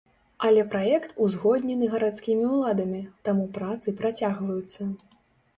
Але праект узгоднены гарадскімі ўладамі, таму працы працягваюцца.